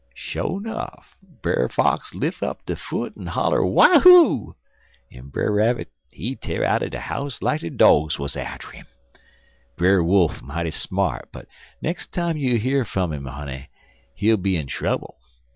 "Sho' nuff, Brer Fox lif' up his foot en holler wahoo! en Brer Rabbit he tear out de house like de dogs wuz atter 'im. Brer Wolf mighty smart, but nex' time you hear fum 'im, honey, he'll be in trouble.